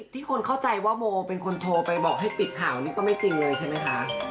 ที่คนเข้าใจว่าโมเป็นคนโทรไปบอกให้ปิดข่าวนี่ก็ไม่จริงเลยใช่ไหมคะ